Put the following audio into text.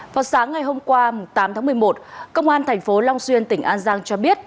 vào sáng ngày hôm qua tám tháng một mươi một công an thành phố long xuyên tỉnh an giang cho biết